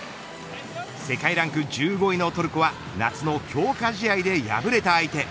世界ランク１５位のトルコは夏の強化試合で敗れた相手。